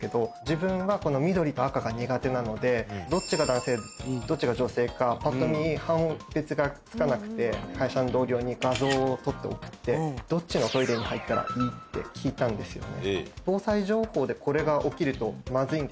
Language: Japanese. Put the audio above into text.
自分はこの緑と赤が苦手なのでどっちが男性どっちが女性かぱっと見判別がつかなくて会社の同僚に画像を撮って送ってどっちのトイレに入ったらいい？って聞いたんですよ。